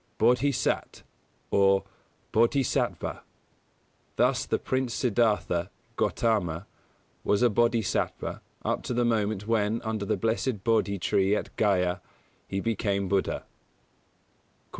Bōdhisat, or Bōdhisattva. Thus the Prince Siddhartha Gautama was a Bōdhisattva up to the moment when, under the blessed Bōdhi tree at Gayā, he became Buddha. 111.